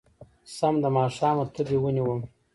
سم د ماښامه تبې ونيومه